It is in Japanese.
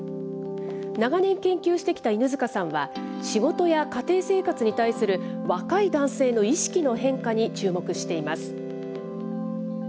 長年、研究してきた犬塚さんは、仕事や家庭生活に対する若い男性の意識の変化に注目しています。